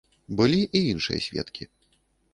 Былі і іншыя сведкі.